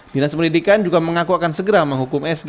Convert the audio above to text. dinas pendidikan juga mengaku akan segera menghukum sg